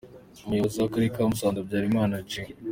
Umuyozi w’Akarere ka Musanze, Habyarimana J.